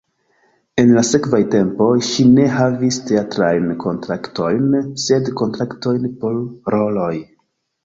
En la sekvaj tempoj ŝi ne havis teatrajn kontraktojn, sed kontraktojn por roloj.